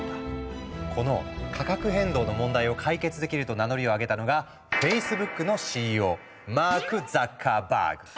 この価格変動の問題を解決できると名乗りを上げたのがフェイスブックのＣＥＯマーク・ザッカーバーグ。